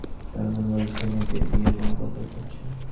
তাঁর মন বলছে, এই মেয়েটির বিয়ের কোনো কথাবার্তা হচ্ছে।